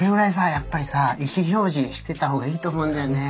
やっぱりさ意思表示してたほうがいいと思うんだよね。